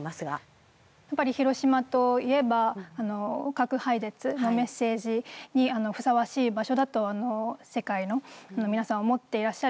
やっぱり広島といえば核廃絶のメッセージにふさわしい場所だと世界の皆さん思っていらっしゃると思って。